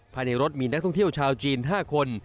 ภายในรถมีนักท่องเที่ยวชาวจีน๕คน